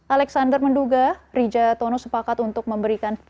alexander menduga rijatano sepakat untuk memberikan v empat belas